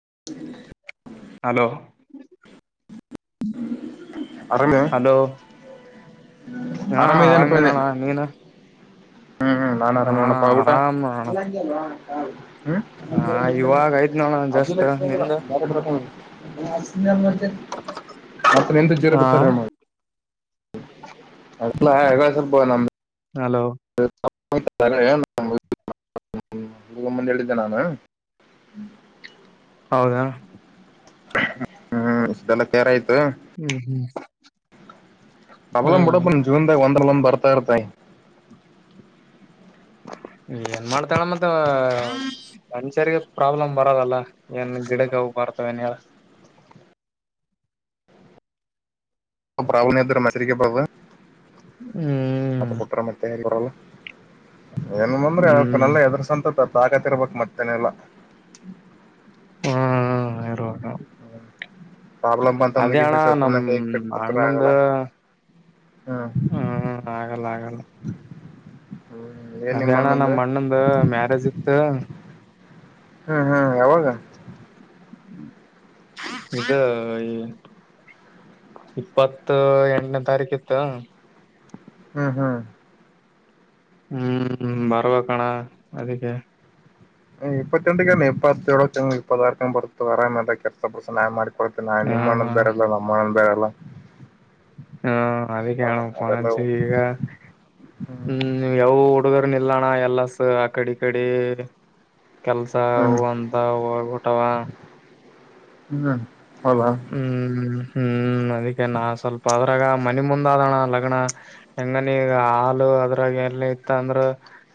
[unintelligible] hello [unintelligible] hello ಹಾ ಆರಾಮ ಇದೇನಪ್ಪ ಇದೆ ಆರಾಮೇನೋಣ್ಣ ನೀನು ಹ್ಮ್ ಹ್ಮ್ ನಾನನ್ ಹ ಆರಾಮ ಏನಿ ನೋಡಣಪ್ಪ ಊಟ ಆರಾಮ್ ನೋಣ [inaudible] ಹ ಇವಾಗ ಆಯ್ತ್ ನೋಣ ಜಸ್ಟ್ ನಿಂದ ಹಾ [unintelligible] [unintelligible] ಹಲೋ [unintelligible] ಹೋಗೋ ಮುಂದೆ ಹೇಳಿದ್ದೆ ನಾನು [inaudible] ಹೌದಾ [inaudible] [unintelligible] [unintelligible] ಹ್ಮ್ ಹ್ಮ್ ಪ್ರಾಬ್ಲಮ್ ಹ್ಮ್ ಬಿಡಪ್ಪ ಜೀವನದಾಗ ಒಂದ್ರಲ್ಲಿ ಒಂದ್ ಬರ್ತಾ ಇರ್ತೈ ಏನ್ ಮಾಡ್ತಾಳ ಮತ್ತ ಮನಷ್ಯರಿಗೆ ಪ್ರಾಬ್ಲಮ್ ಬರದಲ್ಲ ಏನ್ ಗಿಡಕ್ಕೆ ಹೋಗ ಬರ್ತವ ಏನ್ [unintelligible] ಹ್ಮ್ ಮತ್ತೆ ಬುಟ್ರೆ ಮತ್ತೆ ಇಲ್ಲಿ ಬರಲ್ಲ ಏನ್ ಬಂದ್ರೆ ಹ್ಮ್ [unintelligible] ಹೆದ್ರಸಂತಪ್ಪ ತಾಕತ್ ಇರ್ಬೇಕ್ ಮತ್ತನೆಲ್ಲ ಹಾ ಇರುವ ಹ್ಮ್ ಪ್ರಾಬ್ಲಮ್ ಅಣ್ಣ ಬಂತಂದ ನಮ್ ಸುಮನೆ ಕೈ ಕಟ್ಟಿ ಕುಂತರ ಅಣ್ಣಂದ ಆಗಲ್ಲ ಹ್ಮ್ ಹ್ಮ್ ಆಗಲ್ಲ ಆಗಲ್ಲ ಹ್ಮ್ ಏನ್ ನಿಮ್ಮ ಅದೇಣ್ಣ ಅಣ್ಣಂದು ನಮ್ ಮಣ್ಣಂದು ಮ್ಯಾರೇಜ್ ಇತ್ತು ಹ್ಮ್ ಹ್ಮ್ ಯಾವಾಗ ಇದು [inaudible] ಇಪ್ಪತ್ ಎಂಟನೇ ತಾರೀಕ ಇತ್ತು ಹ್ಮ್ ಹ್ಮ್ ಹ್ಮ್ ಬರ್ಬೇಕಣ್ಣ ಅದಿಕ್ಕೆ ಇಪ್ಪಟೆಂತಕ ಇಪ್ಪತ್ತೆೇಳಂಗ ಇಪ್ಪತ್ತರ್ಕಂಗ ಬರುತ್ತ ಆರಾಮ [inaudible] ಕೊಡ್ತ ನನನ್ ಹಾ ನಿಮ್ಮ ಅಣ್ಣಂದು ಬೇರೆಯಲ್ಲ ನಮ್ಮ ಅಣ್ಣಂದು ಬೇರೆಯಲ್ಲ [unintelligible] ಹಾ ಅದಿಕೆ ಅಣ್ಣ ಫೋನ್ ಹಚ್ಚಿ ಈಗ ಹ್ಮ್ ಯಾವ ಹುಡುಗೆಲ್ಲ ಆ ಕಡೆ ಈ ಕಡೆ ಕೆಲ್ಸ ಅವು ಅಂತ ಹೋಗ್ಬಿತವಾ ಹ್ಮ್ ಹೌದಾ ಹ್ಮ್ ಹ್ಮ್ ಅದಿಕೆ ನನ್ ಸ್ವಲ್ಪ ಅದು ಇವಾಗ ಮನಿ ಮುಂದ್ ಅದಣ್ಣ ಲಗ್ನ ಹೆಂಗನ ಈಗ ಹಾಲು ಅದ್ರಾಗ ಎಲ್ಲಿ ಇತ್ತ ಅಂದ್ರ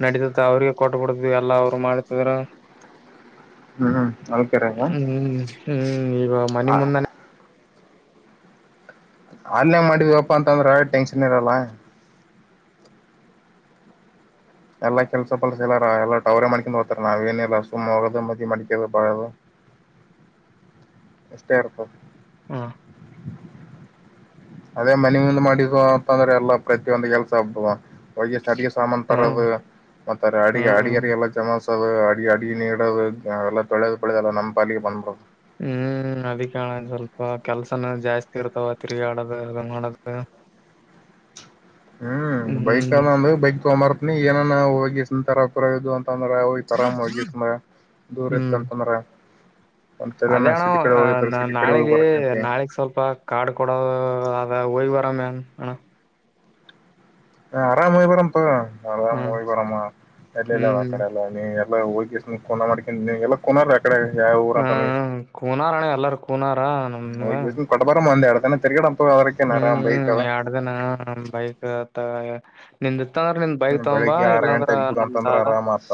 ನಡಿತತ್ತ ಅವ್ರಿಗೆ ಕೊಟ್ ಬಿಡತಿವಿ ಎಲ್ಲಾ ಅವರು ಮಾಡ್ತಿದ್ರ ಹ್ಮ್ [unintelligible] ಹ್ಮ್ ಹ್ಮ್ ಈ ಮನಿ ಮುಂದನೆ ಹಾಲ್ ಮಾಡಿದ್ವಪ್ಪಾ ಅಂತಂದ್ರೆ ಟೆನ್ಷನ್ ಇರಲ್ಲ ಎಲ್ಲಾ ಕೆಲ್ಸ ಪಲ್ಸ ಎಲ್ಲಾರ ಎಲ್ಲಾ ಅವ್ರೇ ಮಾಡ್ಕೊಂಡ್ ಹೋಗ್ತಾರ ನಾವ ಏನಿಲ್ಲ ಸುಮ್ಮ್ ಹೋಗೋದು ಮದಿ ಮಾಡ್ಕೊಂಡು ಬರೋದು [inaudible] ಎಷ್ಟೇ ಇರ್ತದ ಹಾ ಅದೇ ಮನಿಂದ ಮಾಡಿಸುವ ಅಂತಂದ್ರೆ ಎಲ್ಲ ಪ್ರತಿಯೊಂದು ಕೆಲ್ಸ ಆಗ್ತಾವ ಅಡಿಗೆ ಸಾಮಾನ ಹ್ಮ್ ತರೋದು ಮತ್ತ ಅಡ ಹ್ಮ್ ಅಡಿಗೆರಿ ಎಲ್ಲ ಜಮಾಸದು ಅ ಅಡಿಗೆನೀ ಇಡ ಎಲ್ಲ ತೊಳೆದು ಪಾಳೆದು ಎಲ್ಲಾ ಅಲ್ಲ ನಮ್ಮ ಪಾಲಿಗೆ ಬಂದುಬಿಡೋದು ಹ್ಮ್ ಅದಿಕ್ಕೆ ಅಣ್ಣ ಸ್ವಲ್ಪ ಕೆಲ್ಸನ ಜಾಸ್ತಿ ಇರ್ತಾವ ತಿರುಗಾಡದು ಅದೆಲ್ಲ ಮಾಡದು ಬೇಡ ಹ್ಮ್ ಬೈಕ್ ಅದ ಅಂದ ಬೈಕ್ ತಗೊಂಬಾರ ಏನಾನ ಹೋಗಿಂತರರದು ಅಂದ್ರ ಅವಯತ್ ಆರಾಮ್ವಾಗಿಸು ದೂರ್ ಇತ್ತಂತಂದ್ರ ಅದೇಣ ಅ ಕಡೆ ಹೋಗಿ ನಾಳಗ ಬರಕಂತಿ ನಾಳಿಗ್ ಸ್ವಲ್ಪ ಕಾಡು ಕೊಡೋ ಅದ ಹಯ್ ಬರಮೇನ್ ಹ ಹ ಆರಾಮ ಹೋಗಿಬರಣಪ್ಪ ನ್ ಹ್ಮ್ ಹೋಗಿ ಬರಮ್ಮ ಎಲ್ಲಿ ಹ್ಮ್ ಇಲ್ಲದ ಆ ಕಡೆ ಎಲ್ಲನೀ ಹೋಗ ಮಾಡ್ಕ ಎಲ್ಲ ಕಡೆ ಯಾವ ಊರ ಹ್ಮ್ ಕೂನಾರಾಣ್ಣ ಎಲ್ಲಾರ ಕೋಣರ್ ನ ಕೊಟ್ಟಬರನ್ ಅಂದೇ ತಿರುಗಾಡಮ್ ಹ್ಮ್ ಹ್ಮ್ ಎಡ್ ದಿನ ಬೈಕ್ ನಿಂದ ಇತ್ತಂದ್ರ ನಿಂದ ಬೈಕ್ ಹ್ಮ್ ತಗೊಂಬಾ ಬೆಳಿಗ್ಗೆ ಆರು ಇಲ್ಲಾಂದ್ರ ಗಂಟೆೆಗೆ ಬಿಡು ನಮ್ದ ಅಂತಂದ್ರೆ ಅದ ಆರಾಮತ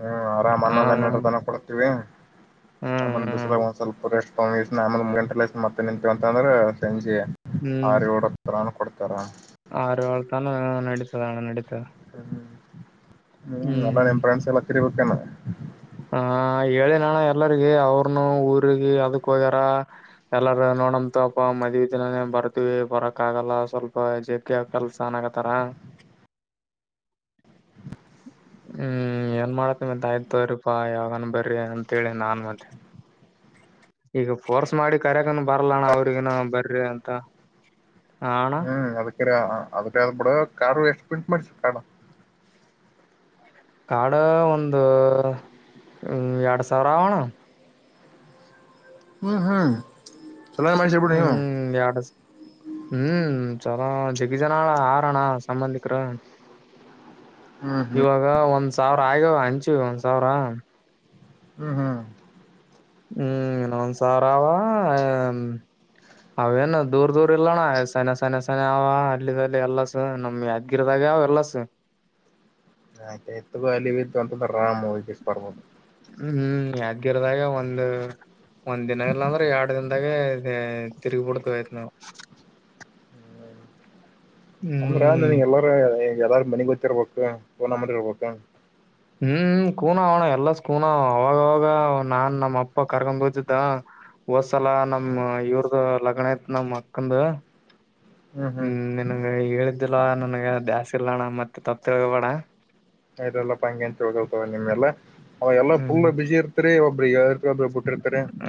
ಹ್ಮ್ ಆರಾಮ್ ಹ ಅನ್ನೊಂದ್ ಹನ್ನೆರಡು ತನ ಕೊಡ್ತೀವಿ ಆಮೇಲೆ ಹ್ಮ್ ಬಿಸ್ಲಗ್ ಒಂದು ಸ್ವಲ್ಪ ರೆಸ್ಟ್ ನಮ್ ಮೂರು ಗಂಟೆ ಮೇಲೆ ಮತ್ತೆ ನಿಂತೀ ಅಂತಂದ್ರ ಸಂಜಿ ಹ್ಮ್ ಹ್ಮ್ ಆರು ಏಳು ತಾನಾ ಕೊಡತ ತತರ ಆರು ಏಳು ತಾನಾ ನಡೀತದಣ್ಣ ನಡೀತ ಹ್ಮ ಹ್ಮ ಹ್ಮ್ ಎಲ್ಲ ನಿಮ ಫ್ರಂಡ್ಸ್ ಎಲ್ಲಾ ಕರಿಬೇಕು ಏನು ಹ ಹೇಳಿನಣ ಎಲ್ಲರಿಗ ಅವ್ರನು ಊಗಿ ಅದಕ್ ಹೋಗ್ಯಾರ ಎಲ್ಲಾರ ನೋಡಮತಪ ಮದ್ವಿ ದಿನಾನ ಬರ್ತವಿ ಬರಕ್ ಆಗಲ್ಲ ಸ್ವಲ್ಪ ಜೆಪ್ ಕೆಲ್ಸನ್ಗತಾರ ಹ್ಮ್ ಏನ್ ಮಾಡತಿ ಮತ್ ಆಯ್ತ್ರ ಪ್ಪಾ ಯಾವಾಗಾನ ಬರ್ರಿ ಅಂತೇಳಿ ನಾನ್ ಮತ್ತೆ ಈಗ ಫೋರ್ಸ್ ಮಾಡಿ ಕರ್ಯಕ್ಕನ ಬರಲಣ ಅವ್ರಿಗನ ಬರಿ ಅಂತ ಹ ಅಣ್ಣ ಹ್ಮ್ ಅದ್ರ ಅ ಬಿಡ ಕಾರ್ ಎಷ್ಟು ಪ್ರಿಂಟ್ ಮಾಡಿಸಿದೆ ಕಾರ್ಡ್ ಒಂದು ಎರಡ್ ಸಾವಿರ ಅವಣ್ಣ ಹ್ಮ್ ಹ್ಮ್ ಚಲೋ ಮಾಡ್ಸಿಬಿಡು ನೀವು ಹ್ಮ್ ಎರಡ್ ಹ್ಮ್ ಚಲೋ ಇದ್ದರನ್ನ ಅರಣ್ಣ ಸಂಬಂಧಿಕಾರು ಹ್ಮ್ ಹ್ಮ್ ಇವಾಗ ಒಂದ್ ಸಾವಿರ ಆಯಗ ಹಂಚು ಒಂದ್ ಸಾವಿರ ಹ್ಮ್ ಹ್ಮ್ ಹ್ಮ್ ಇನ ಒಂದ್ ಸಾವರ ಅವ [inaudible] ಅವೇನು ದೂರ್ ದೂರ್ ಇಲ್ಲಣ ಸನೆ ಸನೆ ಸನೆ ಅವ ಅಲ್ಲಿದಲ್ಲೇ ಎಲ್ಲಸ ನಮ್ ಯಾದಗಿರಿದಾಗ ಅವ ಎಲ್ಲಸ [unintelligible] ಹ್ಮ್ ಯಾದಗಿರಿ ದಾಗ ಒಂದ್ ಒಂದ್ ದಿನ ಇಲ್ಲ ಅಂದ್ರ ಎರಡ್ ದಿನದಾಗೆ ತಿರ್ಗಿ ಬಿಡ್ತ ಆಯ್ತ್ ನಾವ ಅಂದ್ರೆ ನನಗೆ ಎಲ್ಲಾರ ಎಲ್ಲಾರ್ ಮನಿ ಗೊತ್ತಿರ್ಬೇಕು [unintelligible] ಇರ್ಬೇಕು ಹ್ಮ್ ಕೂನ ಅವಣ ಎಲ್ಲ ಕೂನ ಅವಾಗವಾಗ ನಾನ್ ನಮ್ಮ ಅಪ್ಪ ಕರ್ಕೊಂಡ್ ಹೋತಿದ್ದ ಹೋದ್ಸಲ ಹ್ಮ್ ನಮ ಇವ್ರದು ಲಗ್ನ ಇಟ್ಟು ನಮ್ ಅಕ್ಕಂದ ಹ್ಮ್ ನಿಂಗೆ ಹೇಳ ನನ್ಗೆ ದಾಸ್ ಇಲೋಣ ಮತ್ತೆ ತಪ್ತಿಳ್ಕೋಬೇಡ ಆಯ್ತು ಹೇಳಪ್ಪ ಅಂಗೇನ್ ತಿಳ್ಕೊಕ್ಕೆ ಹೋಗಲ್ಲ ಅವಾಗ ಎಲ್ಲಾ ಪುಲ್ಲ ಹ್ಮ್ ಬಿಸಿ ಇರ್ತರಿ [unintelligible]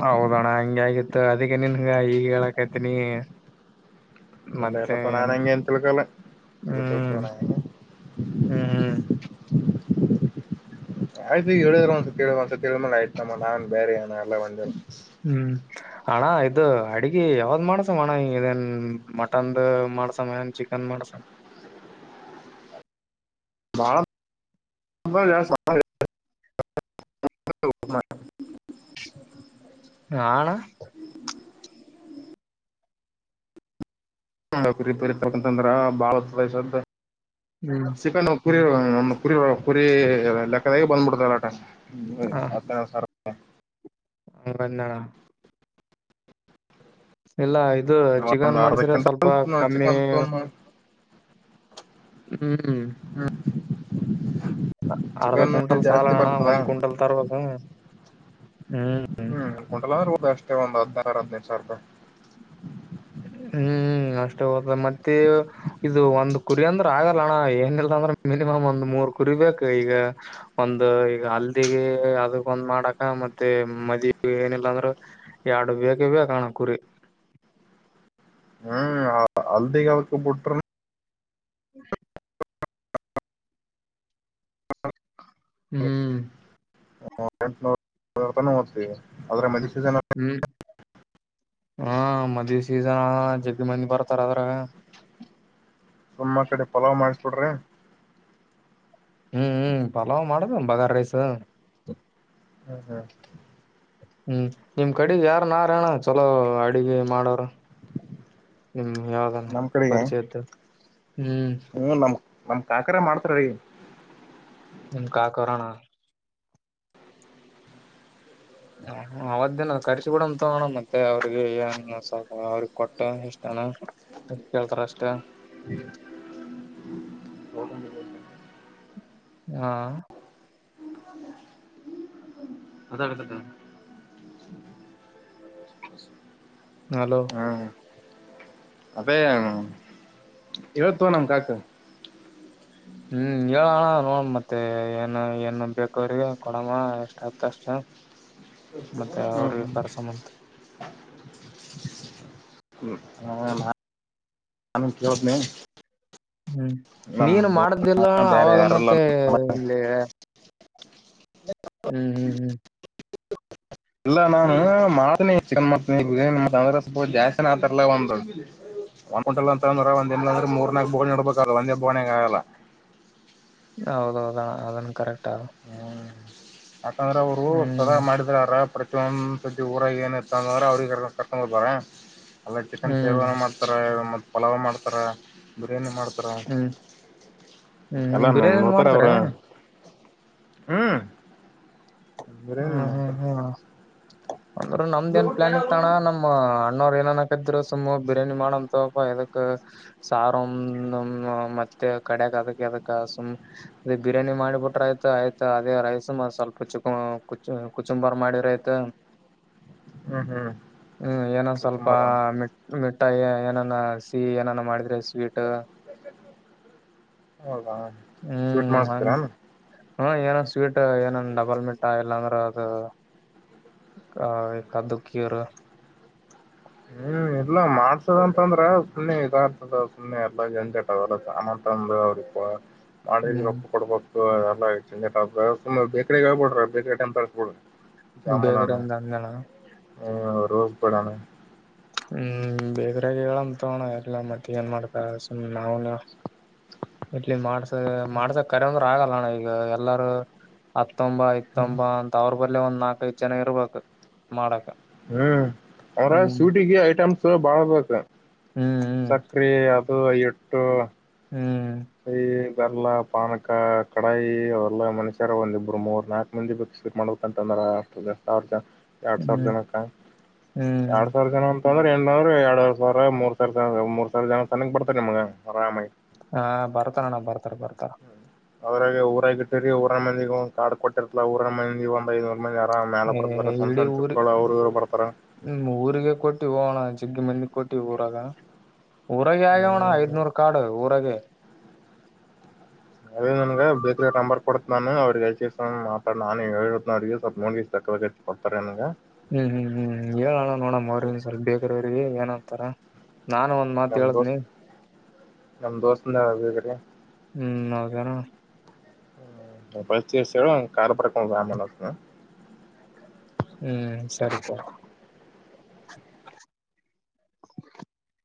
ಹೌದಣ್ಣ ಹಂಗೆ ಆಗಿತ್ತು ಅದಕ್ಕೆ ನಿಂಗ ಈಗ ಹೇಳಕೈತನಿ ಇಲ್ಲ ಇಲ್ಲಪ್ಪ ನಾನ್ ಮತ್ತೆನು [inaudible] ಹಂಗೆ ಅಂತ ತಿಳ್ಕೊಲ್ಲ ಹ್ಮ್ ತಿಳ್ಕೊಳ್ತಾವ ನಾ [inaudible] ಹ್ಮ್ ಹ್ಮ್ ಆಯ್ತು ಹೇಳಿದ್ರ ಒಂದ್ ಒಂದಸ ಹೇಳಿದ್ಮೇಲೆ ಆಯ್ತು ನಮ್ಮ ನಾನ್ ಬೇರೆ ಏನ [unintelligible] ಹ್ಮ್ ಅಣ್ಣ ಇದು ಅಡ್ಗಿ ಯಾವ್ದ್ ಮಾಡ್ಸಮ್ಮ ಅಣ್ಣ ಹಂಗ ಇದೇನ್ ಮಟನ್ ಮಾಡಸಮ್ಮ ಏನ್ ಚಿಕನ್ ಮಾಡ್ಸ [unintelligible] [unintelligible] ಹಾ ಅಣ್ಣ [unintelligible] [unintelligible] [unintelligible] ಕುರಿ ಹ್ಮ್ ಕುರಿ ಲೆಕ್ಕದಾಗೆ ಬಂದ್ಬಿಡ್ತಲ್ಲ ಹ [unintelligible] [unintelligible] ಇಲ್ಲ ಇದು ಒಂದ್ ಚಿಕನ್ ಅರ್ಧ ಮಾಡಿಸ್ರೆ ಸ್ವಲ್ಪ ಕ್ವಿಂಟಲ್ ಕಮ್ಮಿ ಚಿಕನ್ ತೊಗೊಂಡ್ ಹ್ಮ್ ಅರ್ಧ ಚಿಕನ್ ಕ್ವಿಂಟಲ್ ಜಾಸ್ತಿ ಸಾಲಣ್ಣ ಬರ್ತದ ಒಂದ್ ಕ್ವಿಂಟಲ್ ತರ್ಬೇಕು ಹ್ಮ್ ಹ್ಮ್ ಕ್ವಿಂಟಲ್ ಅಷ್ಟೇ ಒಂದು ಹದಿನಾರ ಹದಿನೈದು ಸಾವಿರ ರೂಪಾಯಿ ಹ್ಮ್ ಅಷ್ಟೇ ಹೋದ ಮತ್ತೆ ಇದು ಒಂದ್ ಕುರಿ ಅಂದ್ರ ಆಗಲ್ಲ ಅಣ್ಣ ಏನಿಲ್ಲ ಅಂದ್ರ ಮಿನಿಮಮ್ ಒಂದ್ ಮೂರ್ ಕುರಿ ಬೇಕು ಈಗ ಒಂದ ಈಗ ಹಲ್ದಿಗೆ ಅದಕ್ಕೊಂದ್ ಮಾಡಕ ಮತ್ತೆ ಮದ್ವಿಗೆ ಏನಿಲ್ಲಾಂದ್ರ ಎರಡು ಬೇಕೇ ಬೇಕೇ ಅಣ್ಣ ಕುರಿ ಹ್ಮ್ ಹಳದಿ [unintelligible] [unintelligible] [unintelligible] ಹ್ಮ್ ಹ ಎಂಟನೂ ತನ್ ಹೋಗ್ತೀವಿ ಆದ್ರಗ ಹ್ಮ್ ಹಾ ಮದ್ವಿ ಸೀಸನ್ ಜಗ್ಗ ಮಂದಿ ಬರ್ತಾರ ಆದ್ರಗ ಸುಮ್ಮ ಕಡೆ ಪಲಾವ್ ಮಾಡಿಸಬಿಡ್ರಿ ಹ್ಮ್ ಹ್ಮ್ ಪಲಾವ್ ಮಾಡುದು ಬಗಾರ್ ರೈಸ ಹ್ಮ್ ಹ್ಮ್ ಹ್ಮ್ ನಿಮ್ ಕಡೆಗ್ ಯಾರ ನಾರಣ ಚಲೋ ಅಡಿಗೆ ಮಾಡೋರ ನಿಮ್ ಯಾವಾಗ ನಮ್ ಕಡೆಗೆ ಪರಿಚಯ್ದು ಹ್ಮ್ ನಮ ಕಾಕರ ಮಾಡ್ತ ರೀ ನನ್ ಕಾಕರೋಣ ಹ ಅವದ್ದೇನ ಕರ್ಸಿ ಬಿಡಮ ತಗೋಣ ಮತ್ತೆ ಅವ್ರಿಗೆ ಏನ್ ಅವ್ರಗ್ ಕೊಟ್ಟ ಎಷ್ಟಣ ಎಷ್ಟ ಕೇಳ್ತಾರ ಅಷ್ಟ ಹಾ ಅದ ಅಡ್ತಕ್ಕ ಹಲೋ ಹ್ಮ್ ಹೇಳ್ ತೋ ನಮ್ ಕಾಕಗ ಹ್ಮ್ ಹೇಳಣ ನೋಡ ಮತ್ತೆ ಏನ್ ಏನ್ ಬೇಕ ಅವ್ರಿಗೆ ಕೊಡಮ್ಮ ಎಷ್ಟ ಆತ ಅಷ್ಟ ಮತ್ತೆ ಹ್ಮ್ ಅವ್ರಿಗೆ ಹ್ಮ್ ಕರ್ಸಮಂತ ನಾನು ಕೇಳ್ತೀನಿ ಹ್ಮ್ ನೀನು ಮಾಡ್ದಿಲ್ಲ ಬೇರೆ ಅವಾಗ ಯಾರಲ್ಲ ಮತ್ತೆ ಇಲ್ಲಿ [inaudible] ಹ್ಮ್ ಹ್ಮ್ ಹ್ಮ್ ಇಲ್ಲ ನಾನು ಮಾಡ್ತನಿ ಚಿಕನ್ ಮಾಡ್ತನಿ ಬಿಾನಿ ಅಂದ್ರೆ ಸ ಜಾಸ್ತಿನ ಆತಾರಲ್ಲ ಒಂದ್ ಒಂದಂಟಲ್ ಅಂತ ಅಂದ್ರ ಒಂದ ಅಂದ್ರ ಮೂರ್ ನ ಬೋಗಣಿ ಇಡ್ಬೇಕ ಒಂದೇ ಬೋಗುಣಿಗ ಆಗಲ್ಲ ಹೌದೌದಣ ಅದನ್ ಕರೆಕ್ಟ್ ಹ್ಮ ಯಾಕಂದ್ರೆ ಅವ್ರು ಸದಾ ಹ್ಮ್ ಮಾಡಿದ್ರಾರ ಪ್ರ ಸತಿ ಊರಾಗ ಏನ್ ಇತ್ತ ಅಂದ್ರೆ ಅವ್ರಿಗೆ ಕರ್ಕೊಂಡ್ ಬರ್ತಾರೆ ಅಲ್ಲ ಚಿಕನ್ ಹ್ಮ್ ಸೇವ ಮಾಡ್ತಾರೆ ಪಲಾವ ಮಾಡ್ತಾರ ಬಿರಿಯಾನಿ ಮಾಡ್ ಹ್ಮ್ ಹ್ಮ್ ಬಿರಿಯಾನಿ ಮಾಡ್ತಾರೆ ಏನ್ ಅಣ್ಣ ಹ್ಮ ಬಿರಿಯಾನಿ ಹ್ಮ್ ಹ್ಮ್ ಮಾಡುತ್ತಾರೆ [unintelligible] ಅಂದ್ರ ನಮ್ದನ್ ಪ್ಲಾನ್ ಇತ್ತಣ್ಣ ಇತಣ ನಮ್ಮ ಅಣ್ಣರ್ ಏನ ಯಾಕದ್ರ ಸುಮ್ಮ ಬಿರಿಯಾನಿ ಮಾಡಂತಪ್ಪಕ್ ಸಾರು ಮತ್ತೆ ಕಡಿಯಕ್ ಅದಕ್ದಕ್ ಸುಮ್ ಬಿರಿಯಾನಿ ಮಾಡಿಬಿಟ್ರ ಆಯ್ತು ಆಯ್ತ ಅದೇ ರೈಸ ಸ್ವಲ್ಪ ಚಿಕ್ಕ ಕುಚ್ಚು ಕುಚುಂಬರ್ ಮಾಡಿರಯ್ತ ಹ್ಮ್ ಹ್ಮ್ ಹ್ಮ್ ಏನ ಸ್ವಲ್ಪ ಕುಕುಂಬರ ಮೆ ಮೆ ಒಟ್ಟಾ ಏನನ ಸಿ ಏನ ಮಾಡಿದ್ರೆ ಸ್ವೀಟ್ ಹೌದಾ ಸ್ವೀಟ್ ಹ್ಮ್ ಹಂಗ ಮಾಡತೀರಾ ಹ್ಮ ಏನನ್ ಸ್ವೀಟ್ ಏನ ಡಬಲ್ ಮೀಟ್ ಆ ಎಲ್ಲಾಂಗರ ಅದು ಆ ಕ್ದಕೀರ್ ಹ್ಮ್ ಇಲ್ಲ ಮಾಡ್ಸದಂತಂದ್ರ ಸುಮ್ನೆ ಇದ ಇರ್ತದ ಸುಮ್ಮ್ನೆ ಎಲ್ಲಾ ಜಂಜಟದಲ್ಲ ಚಾನಂತಂದ ಅವ್ರಿಪ್ಪ ನಾಳಿಗೆ ಹ್ಮ್ ರೊಪ್ಪ ಕೊಡ್ಬೋು ಬೇಕ್ರಗ್ ಆಗಬ ಬಿಡ್ರ ಬೇಕ್ರ ಅಂತಳ್ಸ್ಬ ಬಿಡ್ರಿ ಬೇಗ್ರಿಂದ ಅಂದಳ ಹ್ಮ ರೋಗಪಡಾನ ಹ್ಮ್ ಬೇೇಕ್ರಾಗ ಹೇಳಂ ತಣ ಎಲ್ಲ ಮತ್ತ ಏನ್ ಮಾಡ್ತಾರ ಸ್ ನಾವ ಇಲಿ ಮಾಡ ಹೇ ಮಾಡುಸಾಕ ಕರೆ ಆಗಲ್ಲಣ್ಣ ಈಗ ಎಲ್ಲರೂ [unintelligible] ಇ ತಂಬಾ ಇತಂಬಾ ಅಂತ ಅವ್ರ ಲ್ಲೇ ಒಂದ್ ನಾಕೈದು ಜನ ಇರ್ಬೇಕಕ್ ಮಾಡಕ್ ಹ್ಮ್ ಅವ್ರ ಸೂಟಿಗೆ ಟಮ್ಸ್ ಬಾಳ ಬ ಹ್ಮ್ ಹ್ಮ್ ಸಕ್ರಿಯ ಅಬ ಐ ಎಟ್ಟು ಹ್ಮ್ ಐ ಇಲ್ಲ ಪಾನಕ ಕಡಾಯಿ ಅವರೆಲ್ಲ ಮನುಷ್ಯರ ಒಂದಿಬ್ಬರು ಮೂರ್ ನಾಲ್ಕು ಮಂದಿ ಬಕ್ಸಕ್ ಮಾಡ್ಬೇಕ ಅಂತಂದ್ರ ಅಷ್ಟಷ್ಟರು ಜನ ಎರಡ್ ಸಾವಿರ ಹ್ಮ್ ಜನಕ್ಕ ಹ್ಮ್ ಎರಡ್ ಸಾವಿರ ಜನ ಅಂತ ಸ್ರ ಎಡ್ನ್ರರ ಎರಡ್ವರ್ ಸಾವಿರ ಮೂರ್ ಸಾವರ ಮೂರ್ ಸಾವಿರ ಜನ ತನಕ್ ಬರ್ತಾರೆ ನಿಮ್ಗ ಆರಾಮಿ ಹಾ ಬರ್ತಾರಣ ಬರ್ತಾರ ಬರ್ತಾರ ಅವ್ರಾಗ ಊರಾಗ ಇಟ್ಟಿರಿ ಊರನ ಮಂದಿ ಒ ಕಡ್ಟ್ಟಿರ್ತಲಾ ಊರ ಮಂದಿ ಒಂದ ಐದು ಇಡೀ ಊರಿಗೆ ಅವ್ರು ಇವ್ರು ಬರ್ತಾರ ಹ್ಮ ಊರಿಗೆ ಕೊಟ್ಟು ಹೋಣ ಸಿಗ್ಗಿ ಮಂದಿ ಕೊಟ್ಟಿವ ಊರಾಗ ಊರಗೆ ಆಗೋಣ ಹ್ಮ್ ಐದ್ನೂರ್ ಕಾಡು ಊರಗೆ ಅದೇ ನನಗೆ ಬೇಕ್ರ ನಂಬರ್ ಕೊಡ್ತ ನು ಅವ್ರಿಗೆ ಹಲ್ಲಿಚೇ ನಾನ ಮಾಾಡ ನಾನು ಹೇಳಳ್ತನ ಅವರಿಗೆಿಗೆ ಸ್ಲ್ಪ ನೋಡಿೀಸ್ ತಕ್ಕದಚ್ಚ ಕೊಡ್ತಾರೆ ನನಗೆ ಹ್ಮ್ ಹ್ಮ್ ಹ್ಮ್ ಹೇಳಣ ನೋಡಮ್ಮ ಅವ್ರ ಸ್ವಲ್ಪ ಬೇಕ್ರ ಅವ್ರಿಗೆ ಏನ ಅಂತಾರ ನಾನು ಒಂದ್ ಮಾತ್ ಹೇಳ್ತನಿ ನಮ ದೋಸ್ತಂದಗ್ರೀ ಹ್ಮ್ ನೌಕಾರ ಹ್ಮ ಪಚ ವರ್ಷ ಕಾರಾರ್ ಪರಕಾಮ ಹ್ಮ್ ಸರಿ ಸರಿ [inaudible]